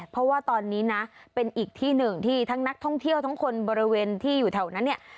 เพราะว่าตอนนี้นะเป็นอีกที่หนึ่งที่ทั้งนักท่องเที่ยวทั้งคนบริเวณที่อยู่แถวนั้นเนี่ย